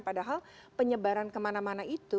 padahal penyebaran kemana mana itu